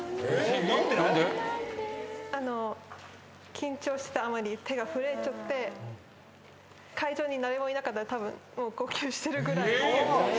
緊張したあまり手が震えちゃって会場に誰もいなかったらたぶん号泣してるぐらい。